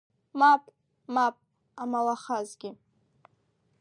Мап, мап, амалахазгьы!